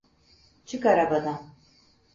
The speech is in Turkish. Çık arabadan!